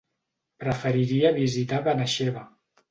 Preferiria visitar Benaixeve.